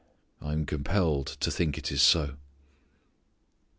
I am compelled to think it is so.